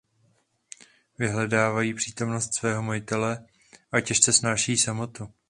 Vyhledávají přítomnost svého majitele a těžce snášejí samotu.